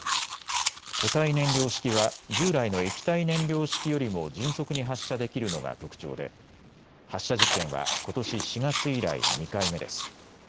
固体燃料式は従来の液体燃料式よりも迅速に発射できるのが特徴で発射実験はことし４月以来、２回目です。